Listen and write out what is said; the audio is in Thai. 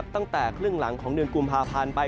ตั้งแต่ครึ่งหลังของเดือนกุมภาพันธ์ไป